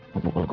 mau pukul gua